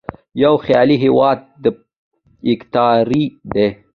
یوه خیالي هیواد دیکتاتور دی.